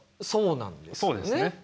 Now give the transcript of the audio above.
そうですね。